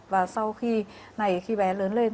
và sau khi này khi bé lớn lên